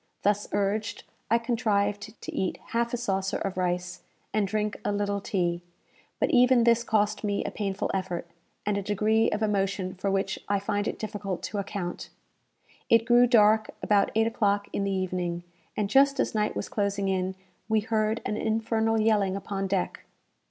Thus urged, I contrived to eat half a saucer of rice, and drink a little tea; but even this cost me a painful effort, and a degree of emotion for which I find it difficult to account. It grew dark about eight o'clock in the evening, and just as night was closing in, we heard an infernal yelling upon deck.